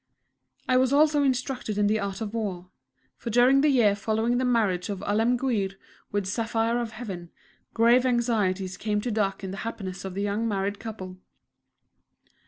I was also instructed in the art of war, for during the year following the marriage of Alemguir with Saphire of Heaven grave anxieties came to darken the happiness of the young married couple.